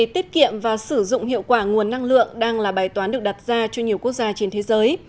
tiết kiệm và sử dụng hiệu quả nguồn năng lượng đang là bài toán được đặt ra cho nhiều quốc gia trên thế giới